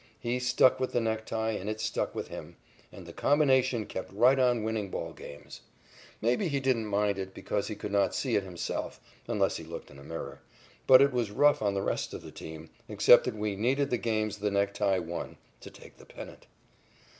He stuck with the necktie, and it stuck with him, and the combination kept right on winning ball games. Maybe he didn't mind it because he could not see it himself, unless he looked in a mirror, but it was rough on the rest of the team, except that we needed the games the necktie won, to take the pennant.